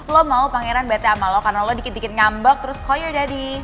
lo mau pangeran bete sama lo karena lo dikit dikit ngambek terus call your daddy